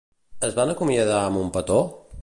Es van acomiadar amb un petó?